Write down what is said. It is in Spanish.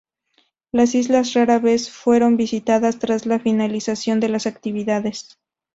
Las islas rara vez fueron visitadas tras la finalización de las actividades.